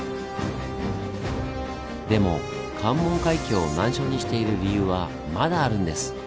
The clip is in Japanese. でも関門海峡を難所にしている理由はまだあるんです。